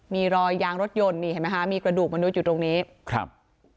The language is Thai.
มีรอยยางรถยนต์นี่เห็นไหมคะมีกระดูกมนุษย์อยู่ตรงนี้ครับ